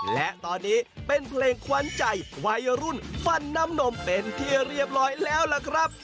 และตอนนี้เป็นเพลงขวัญใจวัยรุ่นฟันน้ำนมเป็นที่เรียบร้อยแล้วล่ะครับ